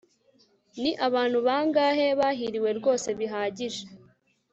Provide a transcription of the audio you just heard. Ni abantu bangahe bahiriwe rwose bihagije